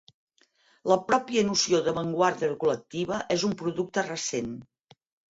La pròpia noció d'avantguarda col·lectiva és un producte recent.